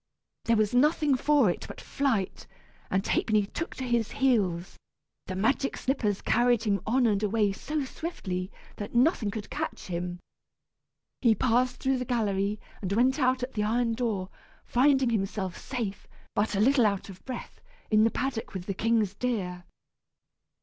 There was nothing for it but flight, and Ha'penny took to his heels. The magic slippers carried him on and away, so swiftly that nothing could catch him. He passed through the gallery and went out at the iron door, finding himself safe, but a little out of breath, in the paddock with the king's deer.